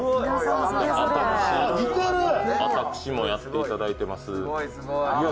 私もやっていただいています。